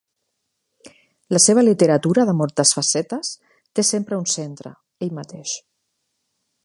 La seva literatura, de moltes facetes, té sempre un centre: ell mateix.